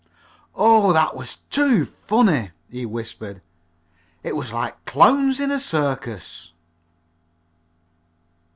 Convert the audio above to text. "Oh, that's too funny!" he whispered. "It was like clowns in a circus!"